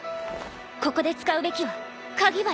ここで使うべきはかぎ針？